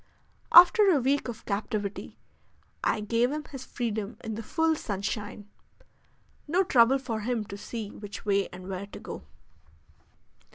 After a week of captivity I gave him his freedom in the full sunshine: no trouble for him to see which way and where to go.